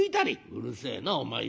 「うるせえなお前は。